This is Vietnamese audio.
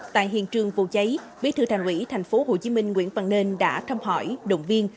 tại hiện trường vụ cháy bí thư thành ủy tp hcm nguyễn văn nên đã thăm hỏi động viên